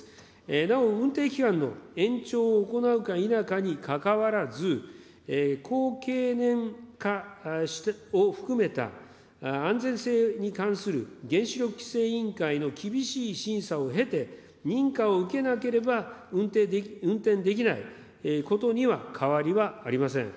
なお、運転期間の延長を行うか否かにかかわらず、高経年化を含めた安全性に関する原子力規制委員会の厳しい審査を経て、認可を受けなければ、運転できないことには変わりはありません。